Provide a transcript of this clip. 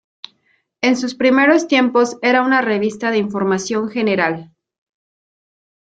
En sus primeros tiempos era una revista de información general.